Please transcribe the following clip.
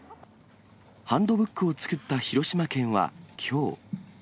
ハンドブックを作った広島県はきょう。